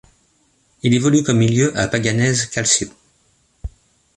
Il évolue comme milieu à Paganese Calcio.